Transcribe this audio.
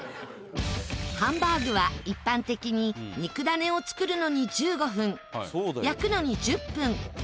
ハンバーグは一般的に肉ダネを作るのに１５分焼くのに１０分